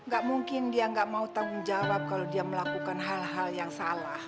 gak mungkin dia nggak mau tanggung jawab kalau dia melakukan hal hal yang salah